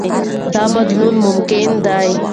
دا بدلون ممکن دی.